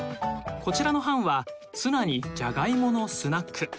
こちらの班はツナにジャガイモのスナック。